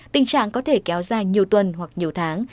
tình trạng có thể kéo dài nhiều tuần hoặc nhiều tháng